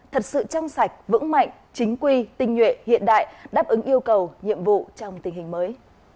thật sự trong sạch vững mạnh chính quy tinh nhuệ hiện đại đáp ứng yêu cầu nhiệm vụ trong tình hình mới